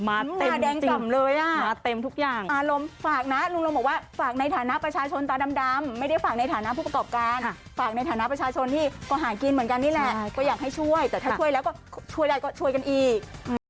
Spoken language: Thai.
ตาแดงกล่ำเลยอ่ะมาเต็มทุกอย่างอารมณ์ฝากนะลุงลงบอกว่าฝากในฐานะประชาชนตาดำไม่ได้ฝากในฐานะผู้ประกอบการฝากในฐานะประชาชนที่ก็หากินเหมือนกันนี่แหละก็อยากให้ช่วยแต่ถ้าช่วยแล้วก็ช่วยได้ก็ช่วยกันอีก